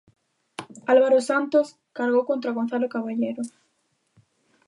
Álvaro Santos cargou contra Gonzalo Caballero.